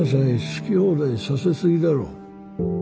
好き放題させ過ぎだろ。